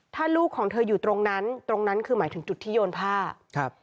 ถ้าลูกของเธออยู่ตรงนั้นตรงนั้นคือหมายถึงจุดที่โยนผ้าครับ